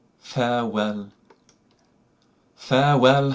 Farewell! Farewell!